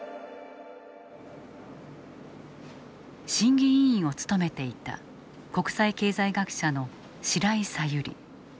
審議委員を務めていた国際経済学者の白井さゆり。